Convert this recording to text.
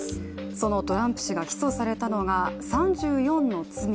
そのトランプ氏が起訴されたのは３４の罪。